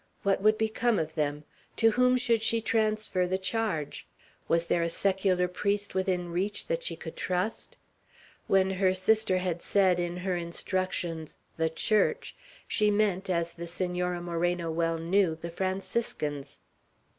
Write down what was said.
What would become of them? To whom should she transfer the charge? Was there a secular priest within reach that she could trust? When her sister had said, in her instructions, "the Church," she meant, as the Senora Moreno well knew, the Franciscans.